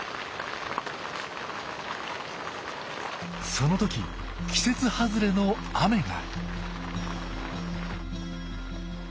その時季節外れの雨が。